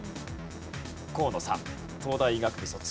河野さん東大医学部卒。